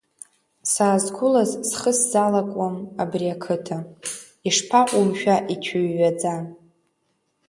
Саазқәылаз схы сзалакуам абри ақыҭа, ишԥаҟоу мшәа ицәыҩҩаӡа!